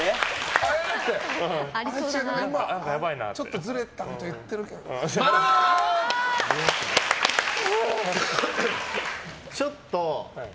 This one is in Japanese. ちょっとずれたこと言ってるけどなって。